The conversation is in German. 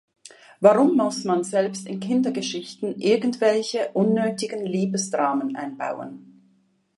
Warum muss man selbst in Kindergeschichten irgendwelche unnötigen Liebesdramen einbauen?